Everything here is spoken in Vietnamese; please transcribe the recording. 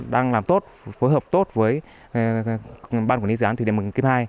đang làm tốt phối hợp tốt với ban quản lý dự án thủy điện mường kim hai